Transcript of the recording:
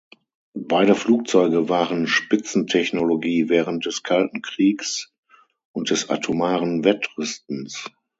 Beide Flugzeuge waren Spitzentechnologie während des Kalten Kriegs und des atomaren Wettrüstens.